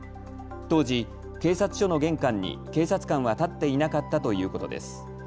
当時、警察署の玄関に警察官は立っていなかったということです。